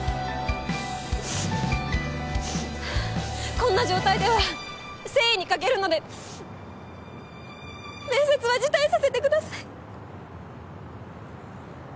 こんな状態では誠意に欠けるので面接は辞退させてください。